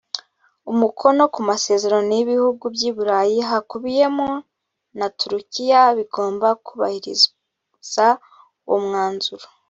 umukono ku masezerano y ibihugu by i burayi hakubiyemo na turukiya bigomba kubahiriza uwo mwanzuro